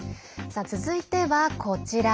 続いては、こちら。